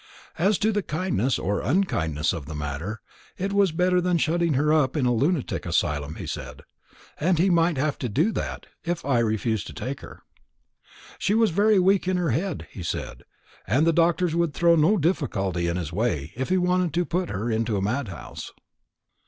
As to the kindness or unkindness of the matter, it was better than shutting her up in a lunatic asylum, he said; and he might have to do that, if I refused to take her. She was very weak in her head, he said, and the doctors would throw no difficulty in his way, if he wanted to put her into a madhouse."